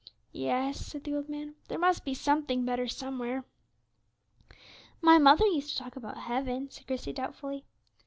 "Yes," said the old man; "there must be something better somewhere." "My mother used to talk about heaven," said Christie, doubtfully.